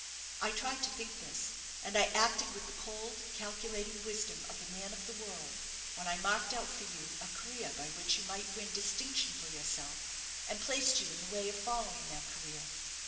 I tried to think this, and I acted with the cold, calculating wisdom of a man of the world, when I marked out for you a career by which you might win distinction for yourself, and placed you in the way of following that career.